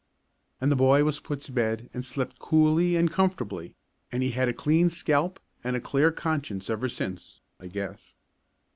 And the boy was put to bed and slept coolly and comfortably, and he's had a clean scalp and a clear conscience ever since, I guess.